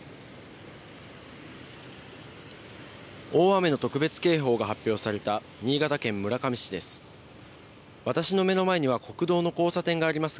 大雨の特別警報が発表された新潟県村上市です。